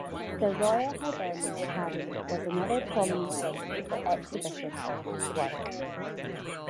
The Royal Hibernian Academy was another prominent venue for exhibition of his work.